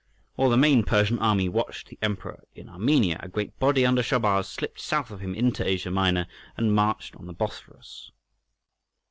While the main Persian army watched the emperor in Armenia, a great body under Shahrbarz slipped south of him into Asia Minor and marched on the Bosphorus.